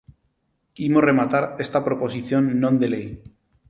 Imos rematar esta proposición non de lei.